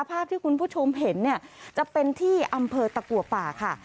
ภาพที่คุณผู้ชมเห็นเนี่ยจะเป็นที่อำเภอตะกัวป่าค่ะ